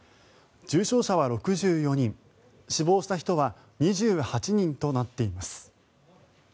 重症者は６４人死亡した人は２８人となっています。